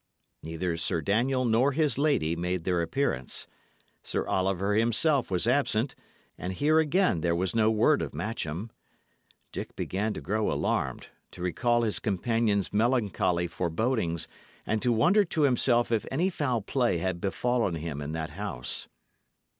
Neither Sir Daniel nor his lady made their appearance. Sir Oliver himself was absent, and here again there was no word of Matcham. Dick began to grow alarmed, to recall his companion's melancholy forebodings, and to wonder to himself if any foul play had befallen him in that house.